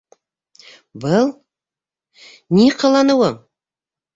Был... ни ҡыланыуың?!